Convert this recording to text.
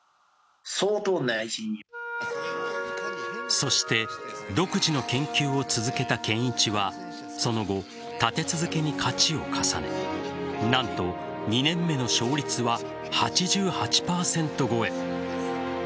そして独自の研究を続けた建一はその後、立て続けに勝ちを重ね何と２年目の勝率は８８％超え。